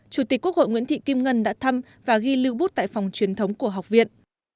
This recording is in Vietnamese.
chủ tịch quốc hội nguyễn thị kim ngân đã thăm và ghi lưu bút tại phòng truyền thống của học viện